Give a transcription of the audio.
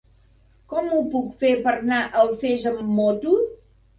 Com ho puc fer per anar a Alfés amb moto?